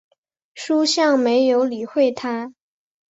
叔向没有理会他。